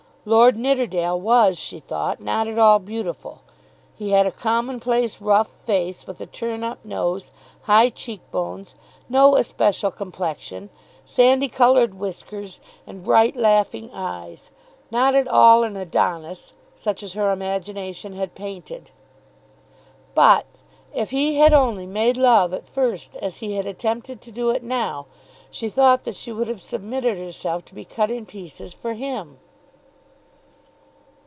Lord Nidderdale was, she thought, not at all beautiful. He had a common place, rough face, with a turn up nose, high cheek bones, no especial complexion, sandy coloured whiskers, and bright laughing eyes, not at all an Adonis such as her imagination had painted. But if he had only made love at first as he had attempted to do it now, she thought that she would have submitted herself to be cut in pieces for him.